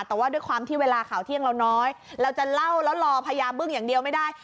แต่ว่าด้วยความที่เวลาข่าวเที่ยงเราน้อยเราจะเล่าแล้วรอพญาบึ้งอย่างเดียวไม่ได้